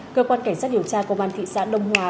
cơ quan cảnh sát điều tra công an thị xã đông hòa